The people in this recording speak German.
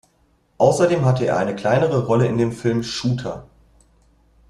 Außerdem hatte er eine kleinere Rolle in dem Film "Shooter".